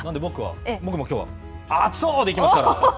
僕もきょうは、熱男！で行きますから。